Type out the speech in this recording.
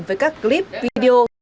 với các clip video